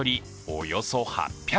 およそ８００ｋｍ。